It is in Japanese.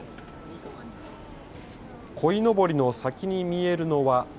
こいのぼりの先に見えるのは。